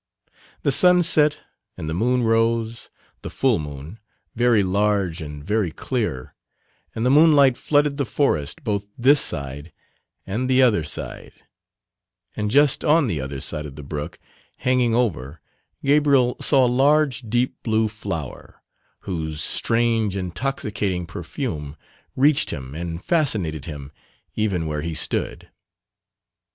The sun set and the moon rose, the full moon, very large and very clear, and the moonlight flooded the forest both this side and "the other side," and just on the "other side" of the brook, hanging over, Gabriel saw a large deep blue flower, whose strange intoxicating perfume reached him and fascinated him even where he stood.